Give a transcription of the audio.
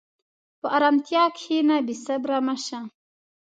په ارامتیا کښېنه، بېصبره مه شه.